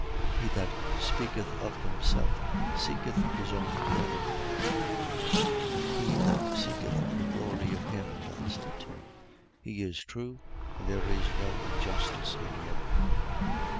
7:18. He that speaketh of himself seeketh his own glory: but he that seeketh the glory of him that sent him, he is true and there is no injustice in him.